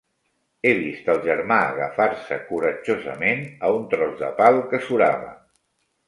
He vist el germà agafar-se coratjosament a un tros de pal que surava.